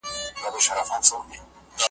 شپاړس مي لمسي دي یو تر بله راته ګران دي .